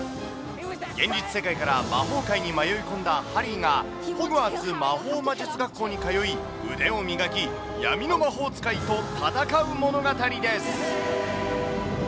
現実世界から魔法界に迷い込んだハリーが、ホグワーツ魔法魔術学校に通い、腕を磨き、闇の魔法使いと戦う物語です。